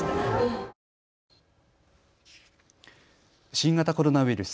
新型コロナウイルス。